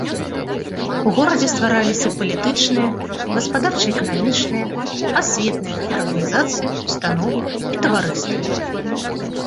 У горадзе ствараліся палітычныя, гаспадарча-эканамічныя, асветныя арганізацыі, установы і таварыствы.